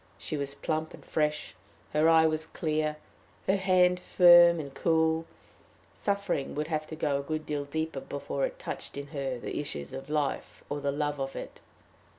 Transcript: She was plump and fresh; her eye was clear, her hand firm and cool; suffering would have to go a good deal deeper before it touched in her the issues of life, or the love of it.